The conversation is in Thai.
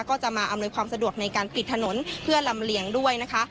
ก็จะมาอำนวยความสะดวกในการปิดถนนเพื่อลำเลียงด้วยนะคะ